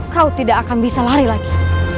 kamu menunggumu rewelasi otakku